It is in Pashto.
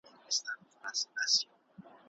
پت د خپل کهاله یې په صدف کي دی ساتلی